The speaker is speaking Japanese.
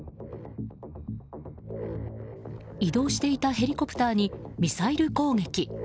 移動していたヘリコプターにミサイル攻撃。